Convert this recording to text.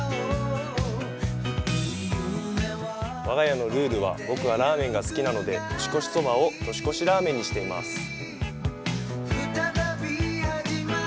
我が家のルールは、僕はラーメンが好きなので年越しそばを年越しラーメンにしています。